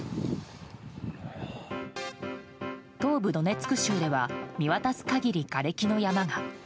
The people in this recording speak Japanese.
東部ドネツク州では見渡す限り、がれきの山が。